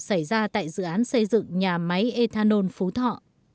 xảy ra tại dự án xây dựng nhà máy ethanol phú thọ